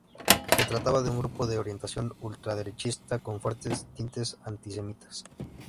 Se trataba de un grupo de orientación ultraderechista, con fuertes tintes antisemitas.